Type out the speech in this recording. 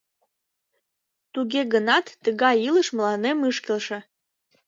Туге гынат тыгай илыш мыланем ыш келше.